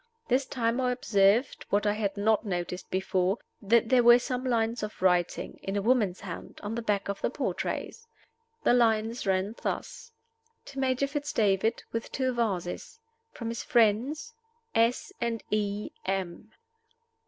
This time I observed, what I had not noticed before, that there were some lines of writing (in a woman's hand) at the back of the portraits. The lines ran thus: "To Major Fitz David, with two vases. From his friends, S. and E. M."